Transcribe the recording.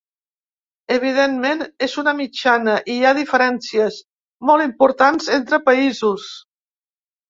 Evidentment, és una mitjana i hi ha diferències molt importants entre països.